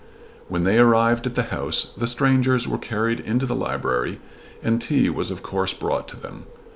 When they arrived at the house the strangers were carried into the library and tea was of course brought to them.